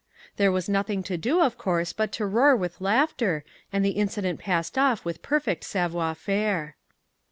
"There was nothing to do, of course, but to roar with laughter and the incident passed off with perfect savoir faire."